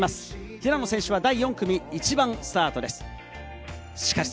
平野選手は第４組の１番スタートです。